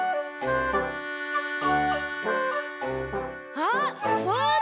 あっそうだ！